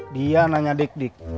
dia nanya dik dik